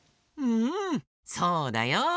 うんそうだよ。